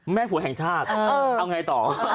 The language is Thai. แม่ผัวแห่งชาติเอาไงต่อ